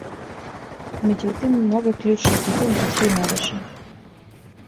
Међутим, многа кључна питања остају нерешена.